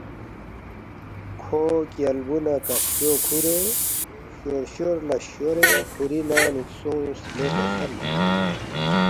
کھو کیالبُو نہ کفشو کُھورے شورشور لہ شورے کُھوری ننگ نُو سونگس لے کسل